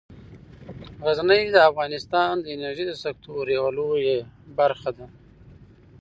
غزني د افغانستان د انرژۍ د سکتور یوه لویه برخه ده.